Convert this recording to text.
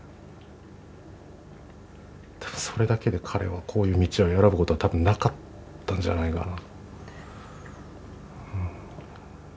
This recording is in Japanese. ただそれだけで彼はこういう道を選ぶことは多分なかったんじゃないかな。